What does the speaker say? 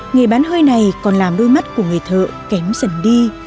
nghề bán hơi này còn làm đôi mắt của người thợ kém dần đi